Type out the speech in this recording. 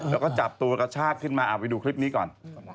แล้วก็จับตัวกระชากขึ้นมาเอาไปดูคลิปนี้ก่อน